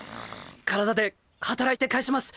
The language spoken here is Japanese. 体で働いて返します。